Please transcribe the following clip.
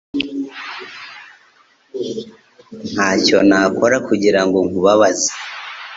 Ntacyo nakora kugirango nkubabaze